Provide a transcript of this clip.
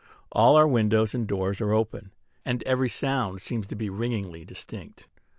All our windows and doors are open; and every sound seems to be ringingly distinct.